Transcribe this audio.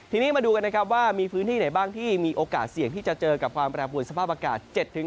ทีนี้มาดูกันนะครับว่ามีพื้นที่ไหนบ้างที่มีโอกาสเสี่ยงที่จะเจอกับความแปรปวนสภาพอากาศ